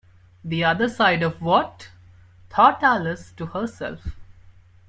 The other side of what?’ thought Alice to herself.